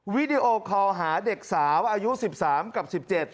วิดีโอคอลหาเด็กสาวอายุ๑๓กับ๑๗